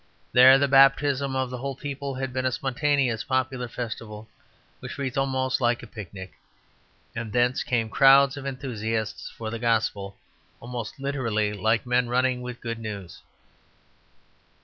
There the baptism of the whole people had been a spontaneous popular festival which reads almost like a picnic; and thence came crowds of enthusiasts for the Gospel almost literally like men running with good news.